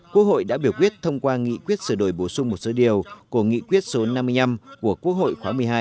quốc hội đã biểu quyết thông qua nghị quyết sửa đổi bổ sung một số điều của nghị quyết số năm mươi năm của quốc hội khóa một mươi hai